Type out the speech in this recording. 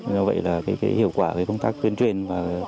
do vậy là hiệu quả công tác tuyên truyền